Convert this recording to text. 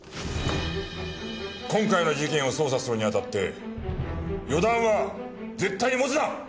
今回の事件を捜査するにあたって予断は絶対に持つな！